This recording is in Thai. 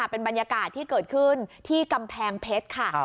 เป็นบรรยากาศที่เกิดขึ้นที่กำแพงเพชรค่ะ